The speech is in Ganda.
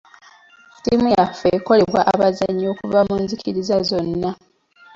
Ttiimu yaffe ekolebwa abazannyi okuva mu nzikiriza zonna.